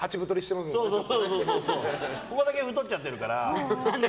首だけ太っちゃってるから。